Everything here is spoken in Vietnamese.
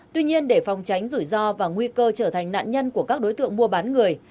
tuy nhiên để phòng tránh rủi ro và nguy cơ trở thành nạn nhân của các đối tượng mua bán người